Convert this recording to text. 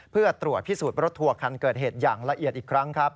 เพื่อตรวจพิสูจน์รถทัวร์คันเกิดเหตุอย่างละเอียดอีกครั้งครับ